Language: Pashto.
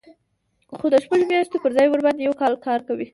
خو د شپږو میاشتو پر ځای ورباندې یو کال کار کوي